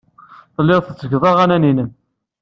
Telliḍ tettgeḍ aɣanen-nnem.